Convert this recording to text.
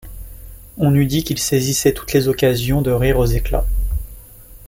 On eût dit qu’il saisissait toutes les occasions de rire aux éclats.